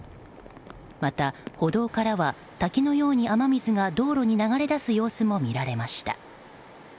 また、歩道からは滝のように雨水が道路に流れ出す様子も見られました。